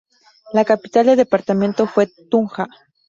La capital del departamento fue Tunja.